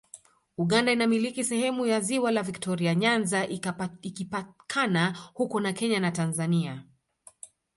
Uganda inamiliki sehemu ya ziwa la Viktoria Nyanza ikipakana huko na Kenya na Tanzania